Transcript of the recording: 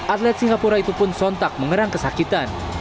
atlet singapura itu pun sontak mengerang kesakitan